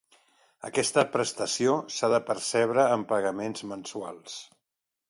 Aquesta prestació s'ha de percebre en pagaments mensuals.